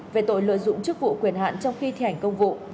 về tội lợi dụng chức vụ quyền hạn trong khi thi hành công vụ